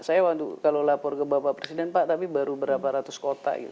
saya kalau lapor ke bapak presiden pak tapi baru berapa ratus kota gitu